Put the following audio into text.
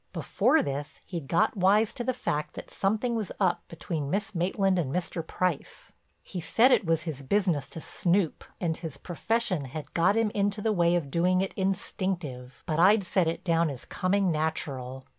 Before this he'd got wise to the fact that something was up between Miss Maitland and Mr. Price. He said it was his business to snoop and his profession had got him into the way of doing it instinctive, but I'd set it down as coming natural.